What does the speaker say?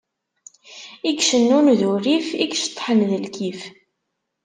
I icennun d urrif, i iceṭṭḥen d lkif.